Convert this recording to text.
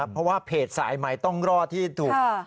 เพราะว่าเพจสายใหม่ต้องรอดที่ถูก